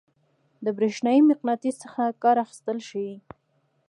د برېښنايي مقناطیس څخه کار اخیستل ښيي.